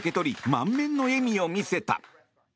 満面の笑みを見せた。